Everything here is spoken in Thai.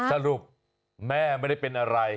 สรุปแม่ไม่ได้เป็นอะไร